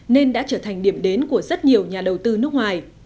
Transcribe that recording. nên đã trở thành điểm đến của rất nhiều nhà đầu tư nước ngoài